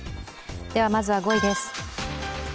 まずは５位です。